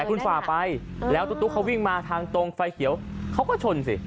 คุณฝ่าไปแล้วตุ๊กเขาวิ่งมาทางตรงไฟเขียวเขาก็ชนสิ